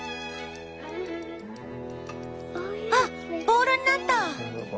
ボールになった。